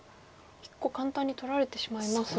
１個簡単に取られてしまいますが。